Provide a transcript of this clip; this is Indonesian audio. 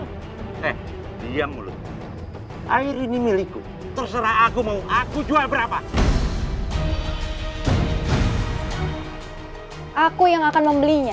eh diam mulu air ini milikku terserah aku mau aku jual berapa aku yang akan membelinya